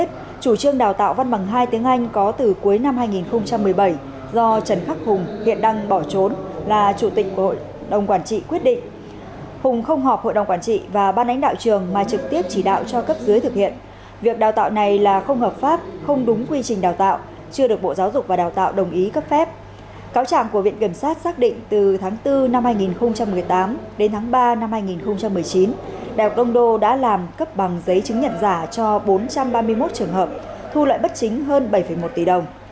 từ tháng bốn năm hai nghìn một mươi tám đến tháng ba năm hai nghìn một mươi chín đại học đông đô đã làm cấp bằng giấy chứng nhận giả cho bốn trăm ba mươi một trường hợp thu loại bất chính hơn bảy một tỷ đồng